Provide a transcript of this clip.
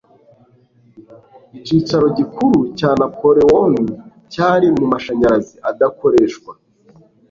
Icyicaro gikuru cya Napoleon cyari mumashanyarazi adakoreshwa.